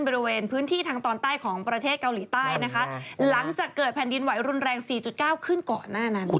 บริเวณพื้นที่ทางตอนใต้ของประเทศเกาหลีใต้นะคะหลังจากเกิดแผ่นดินไหวรุนแรงสี่จุดเก้าขึ้นก่อนหน้านั้น